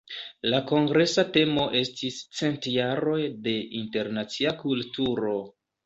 La kongresa temo estis "Cent jaroj de internacia kulturo".